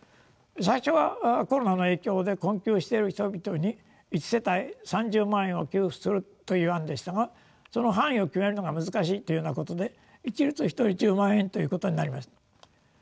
最初はコロナの影響で困窮している人々に一世帯３０万円を給付するという案でしたがその範囲を決めるのが難しいというようなことで一律１人１０万円ということになりました。